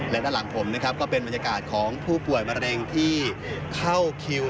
และด้านหลังผมนะครับก็เป็นบรรยากาศของผู้ป่วยมะเร็งที่เข้าคิว